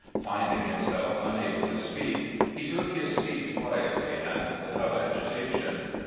Finding himself unable to speak, he took his seat quietly and without agitation.